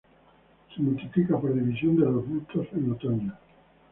Se multiplica por división de los bulbos en otoño.